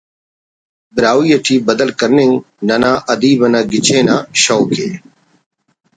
براہوئی ٹی بدل کننگ ننا ادیب نا گچین آ شوق ءِ